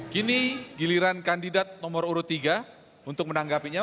kini giliran kandidat nomor urut tiga untuk menanggapinya